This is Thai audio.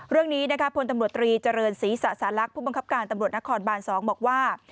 เรื่องนี้นะคะพลตำรวจตรีเจริญศรีสะสาลักษณ์ผู้บังคับการตำรวจนครบาน๒บอกว่า